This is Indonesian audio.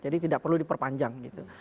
jadi tidak perlu diperpanjang gitu